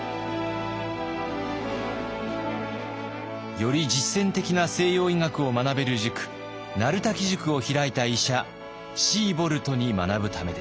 より実践的な西洋医学を学べる塾鳴滝塾を開いた医者シーボルトに学ぶためでした。